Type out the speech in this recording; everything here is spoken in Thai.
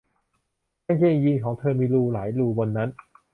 กางเกงยีนส์ของเธอมีรูหลายรูบนนั้น